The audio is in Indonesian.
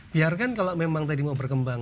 biarkan kalau memang tadi mau berkembang